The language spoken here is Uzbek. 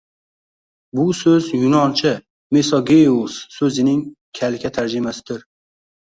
Bu soʻz yunoncha mesógeios soʻzining kalka tarjimasidir